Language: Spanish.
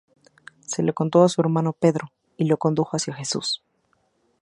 Se lo contó a su hermano Pedro y lo condujo hacia Jesús.